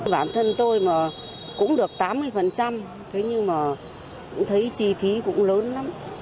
bản thân tôi mà cũng được tám mươi thế nhưng mà cũng thấy chi phí cũng lớn lắm